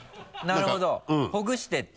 なるほどほぐしていって。